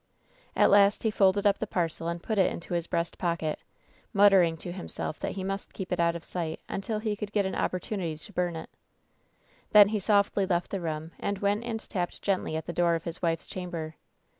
At last he folded up the parcel and put it into his breast pocket, muttering to himself that he must keep it out of sight until he could get an opportimity to bum it. Then he softly left the room and went and tapped gently at the door of his wife's chamber.